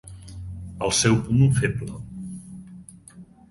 El seu punt feble.